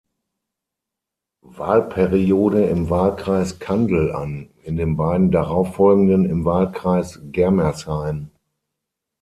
Wahlperiode im Wahlkreis Kandel an, in den beiden darauffolgenden im Wahlkreis Germersheim.